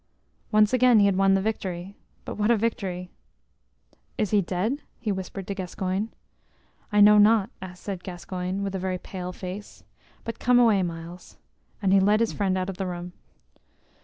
Once again he had won the victory but what a victory! "Is he dead?" he whispered to Gascoyne. "I know not," said Gascoyne, with a very pale face. "But come away, Myles." And he led his friend out of the room.